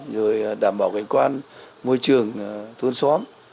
rồi đảm bảo cảnh quan môi trường thuân xóm